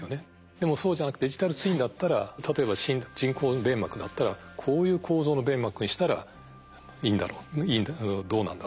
でもそうじゃなくてデジタルツインだったら例えば人工弁膜だったらこういう構造の弁膜にしたらどうなんだろうと。